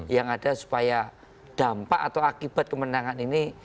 yang ada supaya dampak atau akibat kemenangan ini